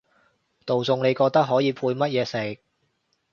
道餸你覺得可以配乜嘢食？